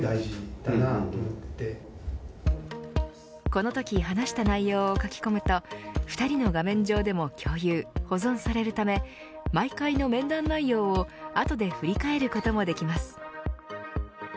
このとき話した内容を書き込むと２人の画面上でも共有、保存されるため毎回の面談内容を後で振り返ることもできます。